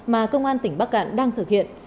mà công an tỉnh bắc cạn đang thực hiện